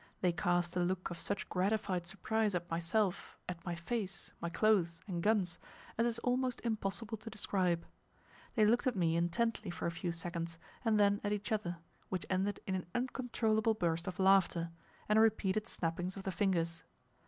They cast a look of such gratified surprise at myself, at my face, my clothes, and guns, as is almost impossible to describe. They looked at me intently for a few seconds, and then at each other, which ended in an uncontrollable burst of laughter, and repeated snappings of the fingers.